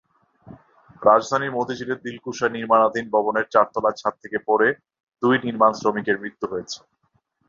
রাজধানীর মতিঝিলের দিলকুশায় নির্মাণাধীন ভবনের চারতলার ছাদ থেকে পড়ে দুই নির্মাণশ্রমিকের মৃত্যু হয়েছে।